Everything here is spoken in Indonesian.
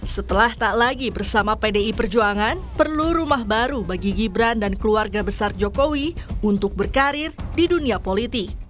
setelah tak lagi bersama pdi perjuangan perlu rumah baru bagi gibran dan keluarga besar jokowi untuk berkarir di dunia politik